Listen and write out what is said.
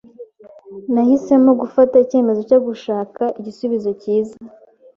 Nahisemo gufata icyemezo cyo gushaka igisubizo cyiza.